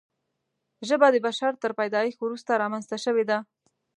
ژبه د بشر تر پیدایښت وروسته رامنځته شوې ده.